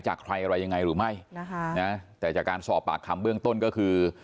ใครอะไรยังไงหรือไม่นะคะนะแต่จากการสอบปากคำเบื้องต้นก็คือ